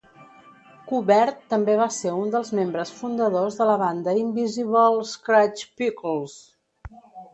Qbert també va ser un dels membres fundadors de la banda Invisibl Skratch Piklz.